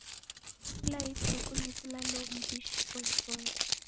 Kila ituku ni w'ulalo mbishi ghozoya.